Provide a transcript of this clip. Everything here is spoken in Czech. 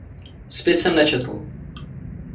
Spis jsem nečetl.